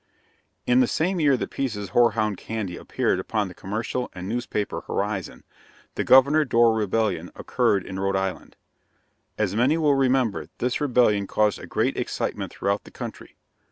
In the same year that Pease's hoarhound candy appeared upon the commercial and newspaper horizon, the "Governor Dorr Rebellion" occurred in Rhode Island. As many will remember, this rebellion caused a great excitement throughout the country.